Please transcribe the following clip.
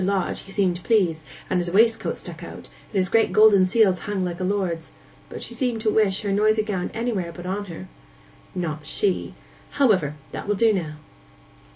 Lodge, he seemed pleased, and his waistcoat stuck out, and his great golden seals hung like a lord's; but she seemed to wish her noisy gownd anywhere but on her.' 'Not she! However, that will do now.